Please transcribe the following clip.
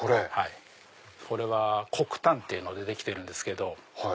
これは黒檀っていうのでできてるんですけど。